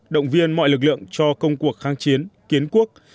động viên mọi lực lượng cho công cuộc kháng chiến kiến quốc